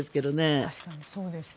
確かにそうですね。